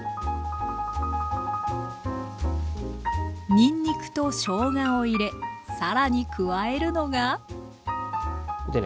にんにくとしょうがを入れ更に加えるのがでね